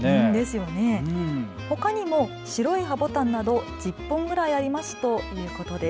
ほかにも白い葉ボタンなど１０本ぐらいありますということです。